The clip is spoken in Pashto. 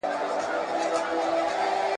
که ته مسواک ووهې نو بدن به دې له ناروغیو پاک شي.